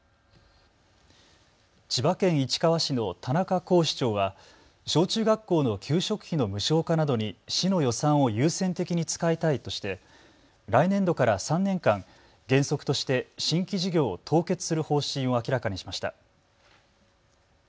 千葉県市川市の田中甲市長は小中学校の給食費の無償化などに市の予算を優先的に使いたいとして来年度から３年間、原則として新規事業を凍結する方針を明らかにしました。